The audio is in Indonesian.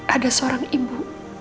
ada seorang ibu